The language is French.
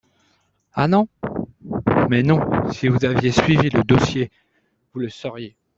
Ah non ? Mais non, et si vous aviez suivi le dossier, vous le sauriez.